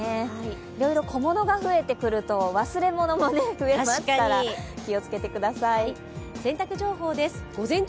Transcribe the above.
いろいろ小物が増えてくると忘れ物も増えますから洗濯情報です。